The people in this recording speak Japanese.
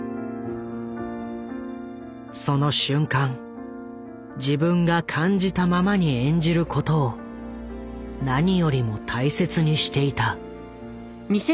その瞬間自分が感じたままに演じることを何よりも大切にしていた。